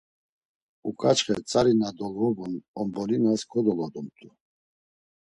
Uǩaçxe tzari na dolvobun onbolinas kodolodumt̆u.